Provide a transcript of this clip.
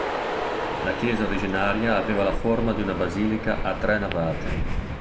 La chiesa originaria aveva la forma di una basilica a tre navate.